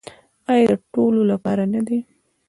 آیا د ټولو لپاره نه دی؟